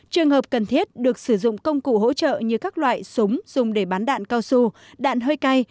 trường hợp cần thiết được sử dụng công cụ hỗ trợ như các loại súng dùng để bắn đạn cao su đạn hơi cay